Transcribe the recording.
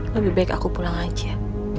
lebih baik aku pulang aja